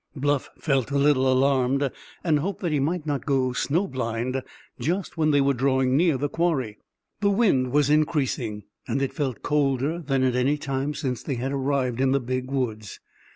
Bluff felt a little alarmed, and hoped that he might not go snow blind just when they were drawing near the quarry. The wind was increasing, and it felt colder than at any time since they had arrived in the Big Woods.